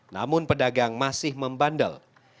namun pedagang masih membandel